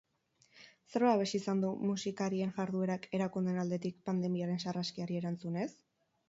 Zer babes izan du musikarien jarduerak erakundeen aldetik, pandemiaren sarraskiari erantzunez?